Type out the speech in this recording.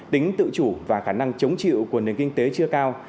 tính tự chủ và khả năng chống chịu của nền kinh tế chưa cao